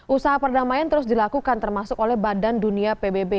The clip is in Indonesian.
usaha perdamaian terus dilakukan termasuk oleh badan dunia pbb